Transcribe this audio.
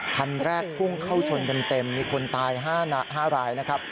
คันแรกพุ่งเข้าชนเต็มมีคนตาย๕รายนะครับ